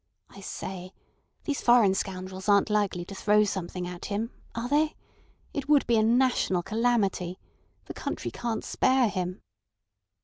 I say, these foreign scoundrels aren't likely to throw something at him—are they? It would be a national calamity. The country can't spare him."